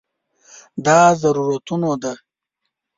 دا ضرورتونو ده.